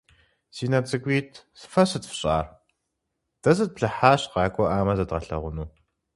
Си нэ цӀыкӀуитӀ, фэ сыт фщӀар? - Дэ зытплъыхьащ, къакӀуэӀамэ зэдгъэлъэгъуну.